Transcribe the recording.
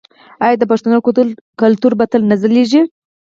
آیا د پښتنو کلتور به تل نه ځلیږي؟